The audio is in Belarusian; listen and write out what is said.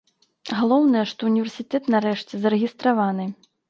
Галоўнае, што ўніверсітэт нарэшце зарэгістраваны.